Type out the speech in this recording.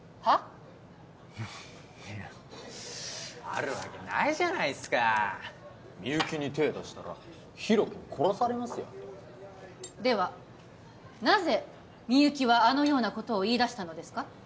フッいやあるわけないじゃないすかみゆきに手出したら大樹に殺されますよではなぜみゆきはあのようなことを言いだしたのですか？